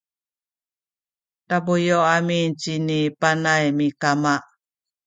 tabuyu’ amin cini Panay mikama